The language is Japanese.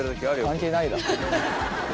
関係ないだろ。